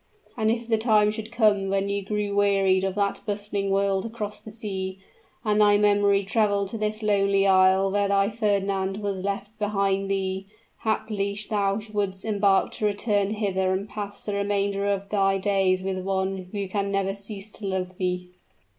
And if the time should come when you grew wearied of that bustling world across the sea, and thy memory traveled to this lonely isle where thy Fernand was left behind thee, haply thou wouldst embark to return hither and pass the remainder of thy days with one who can never cease to love thee!"